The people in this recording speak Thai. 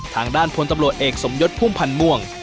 ทางด้านพลตำรวจเอกสมยศพุ่มพันธ์ม่วง